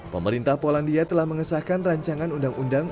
pemerintah polandia telah mengesahkan rancangan undang undang